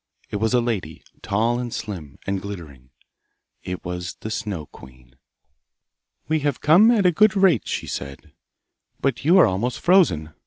It was a lady, tall and slim, and glittering. It was the Snow queen. 'We have come at a good rate,' she said; 'but you are almost frozen.